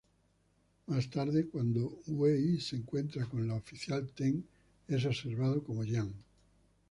Más tarde, cuando Wei se encuentra con la oficial Ten, es observado por Jiang.